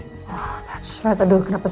that's right aduh kenapa sih